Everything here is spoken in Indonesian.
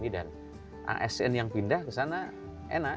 dan asn yang pindah ke sana enak